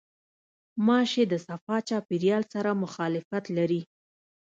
غوماشې د صفا چاپېریال سره مخالفت لري.